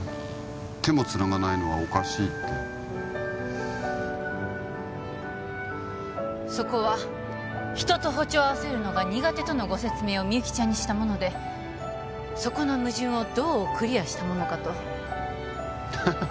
「手もつながないのはおかしい」ってそこは人と歩調を合わせるのが苦手とのご説明をみゆきちゃんにしたものでそこの矛盾をどうクリアしたものかとハハハ